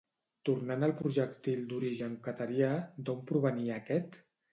Tornant al projectil d'origen qatarià, d'on provenia aquest?